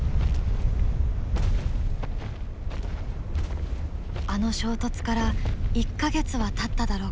あの衝突から１か月はたっただろうか。